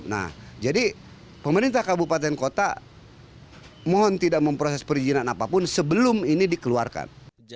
nah jadi pemerintah kabupaten kota mohon tidak memproses perizinan apapun sebelum ini dikeluarkan